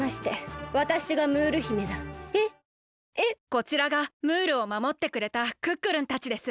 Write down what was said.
こちらがムールをまもってくれたクックルンたちです。